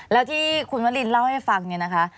แล้วที่คุณวรินเล่าให้ฟังเนี่ยนะคะ